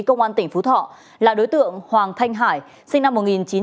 công an tỉnh phú thọ là đối tượng hoàng thanh hải sinh năm một nghìn chín trăm tám mươi